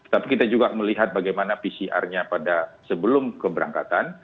tapi kita juga melihat bagaimana pcr nya pada sebelum keberangkatan